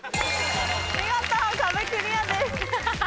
見事壁クリアです。